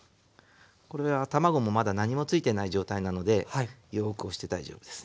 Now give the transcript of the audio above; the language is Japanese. これは卵もまだ何もついてない状態なのでよく押して大丈夫です。